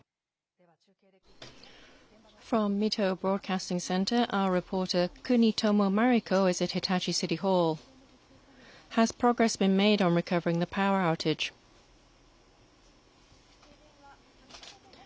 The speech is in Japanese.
では中継で聞いていきます。